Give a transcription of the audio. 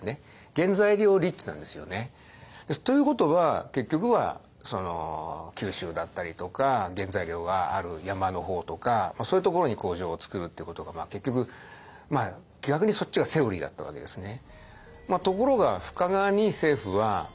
原材料立地なんですよね。ということは結局は九州だったりとか原材料がある山の方とかそういうところに工場をつくるっていうことが結局逆にそっちがセオリーだったわけですね。